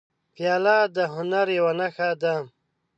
پیاله د هنر یوه نښه ده.